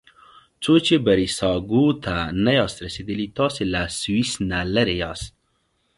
څو چې بریساګو ته نه یاست رسیدلي تاسي له سویس نه لرې یاست.